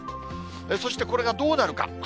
そして、これがどうなるか。